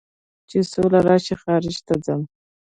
چې سوله راشي خارج ته ځم